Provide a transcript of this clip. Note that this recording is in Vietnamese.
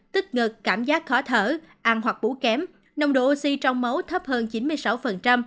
tức ngực cảm giác khó thở ăn hoặc bú kém nồng độ oxy trong máu thấp hơn chín mươi sáu